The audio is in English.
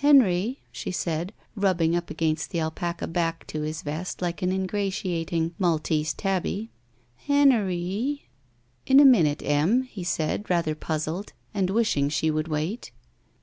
Henry," she said, rubbing up against the alpaca back to his vest like an ingratiating Maltese tabby, *'Hen eiy." In a minute, Em," he said, rather puzzled and wishing she would wait.